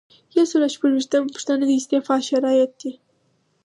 یو سل او شپږ ویشتمه پوښتنه د استعفا شرایط دي.